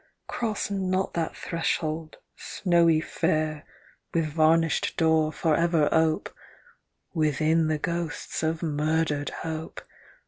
Cross not that threshold, snowy fair, With varnished door for ever ope — Within the ghosts of murdered hope.